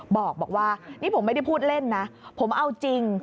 บอกว่านี่ผมไม่ได้พูดเล่นนะผมเอาจริง